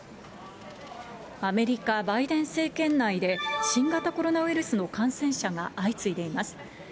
アメリカ、バイデン政権内で、新型コロナウイルスの感染者が相次いでいます。